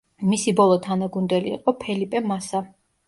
მისი ბოლო თანაგუნდელი იყო ფელიპე მასა.